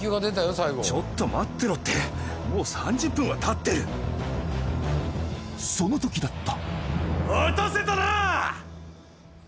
最後ちょっと待ってろってもう３０分はたってるその時だった